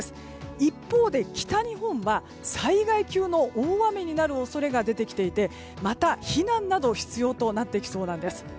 一方で北日本は災害級の大雨になる恐れが出てきていてまた、避難などが必要となってきそうなんです。